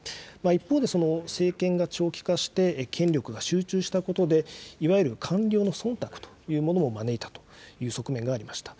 一方で、その政権が長期化して、権力が集中したことで、いわゆる官僚のそんたくというものを招いたという側面がありました。